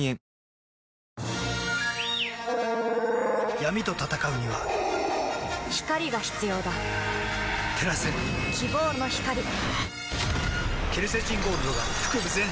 闇と闘うには光が必要だ照らせ希望の光入間さん。